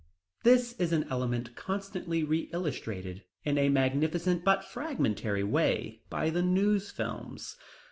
This is an element constantly re illustrated in a magnificent but fragmentary way by the News Films.